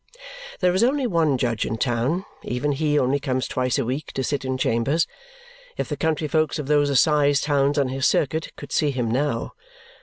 There is only one judge in town. Even he only comes twice a week to sit in chambers. If the country folks of those assize towns on his circuit could see him now!